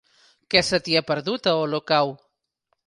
Què se t'hi ha perdut, a Olocau?